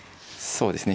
そうですね